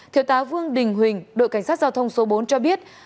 thiểu tá vương đình huỳnh đội cảnh sát giao thông số bốn cho biết